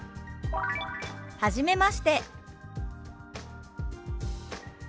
「はじめまして」。